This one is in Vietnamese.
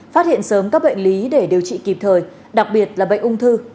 phát hiện sớm các bệnh lý để điều trị kịp thời đặc biệt là bệnh ung thư